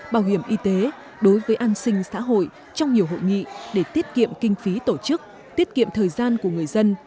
bảo hiểm y tế đối với an sinh xã hội trong nhiều hội nghị để tiết kiệm kinh phí tổ chức tiết kiệm thời gian của người dân